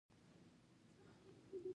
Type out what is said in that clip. چې د نړۍ په ډګر کې ولاړ دی.